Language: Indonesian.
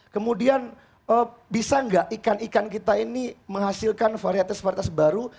kemudian bisa nggak ikan ikan kita ini menghasilkan varietas varietas baru